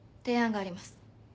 提案があります。